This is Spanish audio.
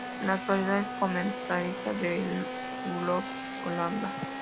En la actualidad es comentarista de Eurosport Holanda.